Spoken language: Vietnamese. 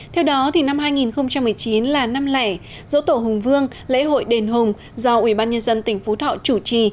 theo đó năm hai nghìn một mươi chín là năm lẻ dỗ tổ hùng vương lễ hội đền hùng do ủy ban nhân dân tỉnh phú thọ chủ trì